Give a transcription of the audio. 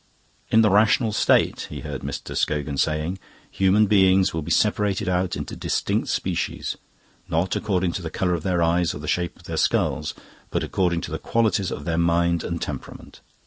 "In the Rational State," he heard Mr. Scogan saying, "human beings will be separated out into distinct species, not according to the colour of their eyes or the shape of their skulls, but according to the qualities of their mind and temperament.